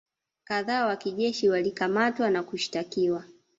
kadhaa wa kijeshi walikamatwa na kushtakiwa